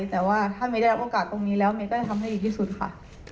แต่ว่าถ้าเมย์ได้รับโอกาสตรงนี้แล้วเมย์ก็จะทำให้ดีที่สุดค่ะ